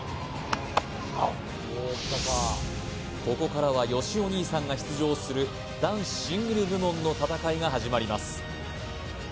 ここからはよしお兄さんが出場する男子シングル部門の戦いが始まります